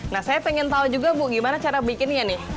nah saya pengen tahu juga bu gimana cara bikinnya nih